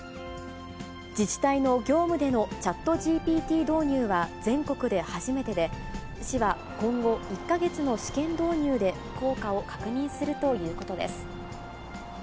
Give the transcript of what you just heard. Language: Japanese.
自治体の業務でのチャットＧＰＴ導入は全国で初めてで、市は今後、１か月の試験導入で効果を確認するということです。